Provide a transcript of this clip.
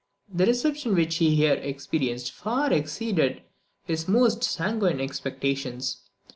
The reception which he here experienced far exceeded his most sanguine expectations.